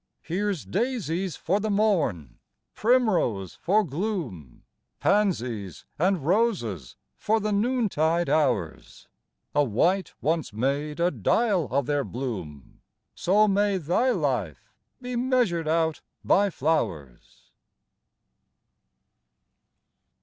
Here's Daisies for the morn, Primrose for gloom Pansies and Roses for the noontide hours: A wight once made a dial of their bloom, So may thy life be measured out by flowers!